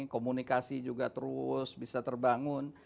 komunikasi juga terus bisa terbangun